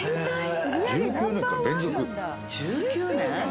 １９年間連続１９年？